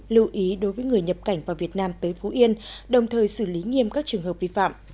lưu ý đối với người nhập cảnh vào việt nam tới phú yên đồng thời xử lý nghiêm các trường hợp vi phạm